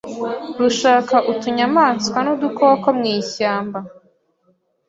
rushaka utunyamaswa n'udukoko mu ishyamba